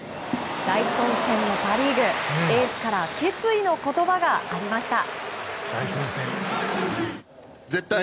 大混戦のパ・リーグエースから決意の言葉がありました。